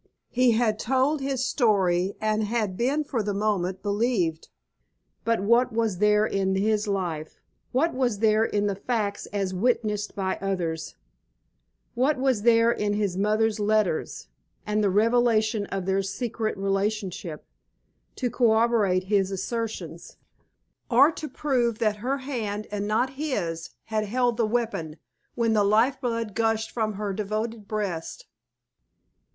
He had told his story and been for the moment believed, but what was there in his life, what was there in the facts as witnessed by others, what was there in his mother's letters and the revelation of their secret relationship, to corroborate his assertions, or to prove that her hand and not his had held the weapon when the life blood gushed from her devoted breast?